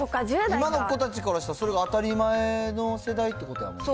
今の子たちからしたら、それが当たり前の世代ってことだもんね。